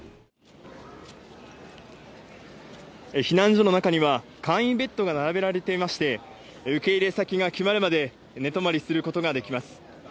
避難所の中には、簡易ベッドが並べられていまして、受け入れ先が決まるまで、寝泊まりすることができます。